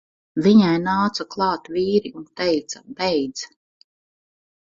Viņai nāca klāt vīri un teica: "Beidz!"